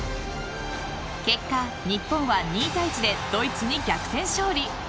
結果、日本は２対１でドイツに逆転勝利。